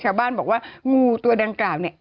ชาวบ้านบอกว่างูตัวดังกล่าวเนี่ย